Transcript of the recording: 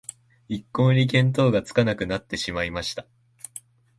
一向に見当がつかなくなっていました